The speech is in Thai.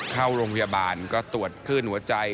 เข้าโรงพยาบาลก็ตรวจคลื่นหัวใจ